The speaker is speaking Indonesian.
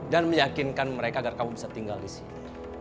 dan meyakinkan mereka agar kamu bisa tinggal disini